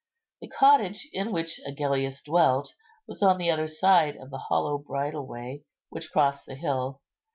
The cottage in which Agellius dwelt was on the other side of the hollow bridle way which crossed the hill.